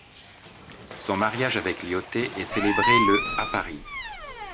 Son mariage avec Lyautey est célébré le à Paris.